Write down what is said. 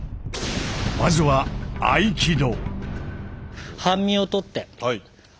まずは合気道。